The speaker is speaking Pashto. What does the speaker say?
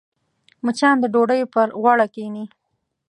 مچان د ډوډۍ پر غوړه کښېني